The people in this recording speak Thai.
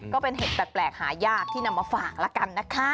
ก็เป็นเห็ดแปลกหายากที่นำมาฝากแล้วกันนะคะ